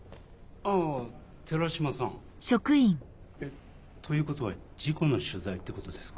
あぁ寺島さん。えっということは事故の取材ってことですか？